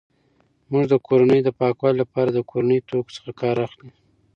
مور د کورنۍ د پاکوالي لپاره د کورني توکو څخه کار اخلي.